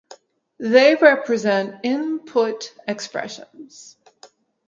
they represent input expressions